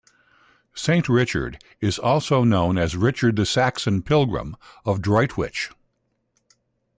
Saint Richard is also known as Richard the Saxon Pilgrim, of Droitwich.